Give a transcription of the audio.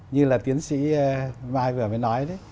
như là tiến sĩ mai vừa mới nói